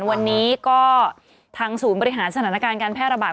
วันนี้ก็ทางศูนย์บริหารสถานการณ์การแพร่ระบาด